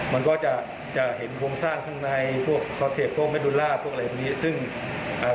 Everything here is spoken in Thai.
มันก็จะจะเห็นโครงสร้างข้างในพวกพวกพวกอะไรพวกนี้ซึ่งอ่า